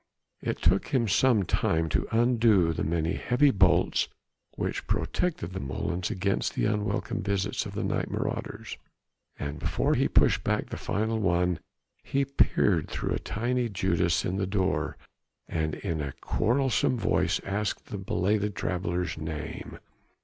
It took him some time to undo the many heavy bolts which protected the molens against the unwelcome visits of night marauders, and before he pushed back the final one, he peered through a tiny judas in the door and in a querulous voice asked the belated traveller's name.